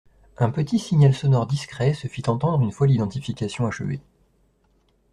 Un petit signal sonore discret se fit entendre une fois l’identification achevée.